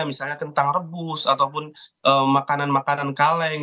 misalnya kentang rebus ataupun makanan makanan kaleng